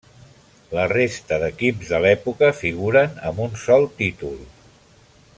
La resta d’equips de l’època figuren amb un sol títol.